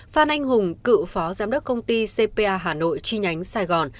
phan anh hùng cựu phó giám đốc công ty cpa hà nội chi nhánh sài gòn